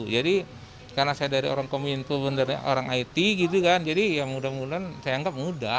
jadi karena saya dari orang kominfo benar ya orang it gitu kan jadi ya mudah mudahan saya anggap mudah